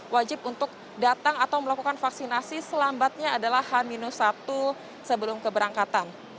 wajib untuk datang atau melakukan vaksinasi selambatnya adalah h satu sebelum keberangkatan